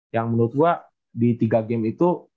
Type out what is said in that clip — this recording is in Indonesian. yang menurut gue di tiga game itu